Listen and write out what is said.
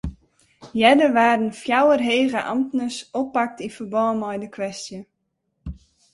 Earder waarden fjouwer hege amtners oppakt yn ferbân mei de kwestje.